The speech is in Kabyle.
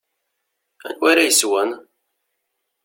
Anwa ara yeswen?